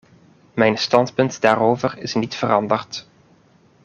Mijn standpunt daarover is niet veranderd.